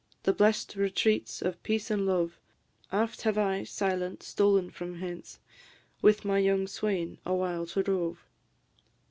The blest retreats of peace an' love; Aft have I, silent, stolen from hence, With my young swain a while to rove.